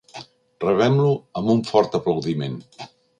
Rebem-lo amb un fort aplaudiment.